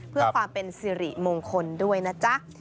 เพื่อความเป็นสิริมงคลด้วยนะจ๊ะ